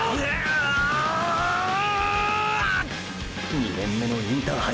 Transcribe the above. ２年目のインターハイ